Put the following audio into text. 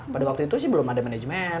pada waktu itu sih belum ada manajemen